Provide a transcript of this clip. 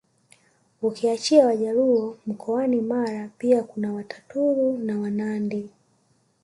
Ukiachia Wajaluo mkoani Mara pia kuna Wataturu na Wanandi